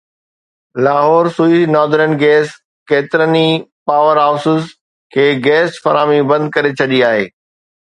Lahore Sui Northern Gas ڪيترن ئي power houses کي گئس فراهمي بند ڪري ڇڏي آهي